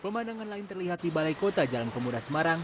pemandangan lain terlihat di balai kota jalan pemuda semarang